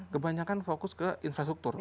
kebanyakan fokus ke infrastruktur